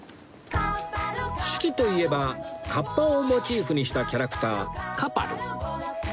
志木といえば河童をモチーフにしたキャラクターカパル